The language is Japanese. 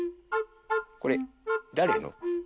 これだれの？